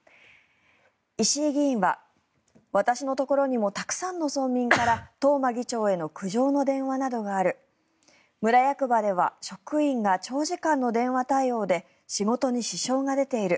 石井議員は、私のところにもたくさんの村民から東間議長への苦情の電話などがある村役場では職員が長時間の電話対応で仕事に支障が出ている。